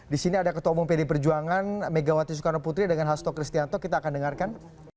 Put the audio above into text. di sini ada ketua umum pd perjuangan megawati soekarno putri dengan hasto kristianto kita akan dengarkan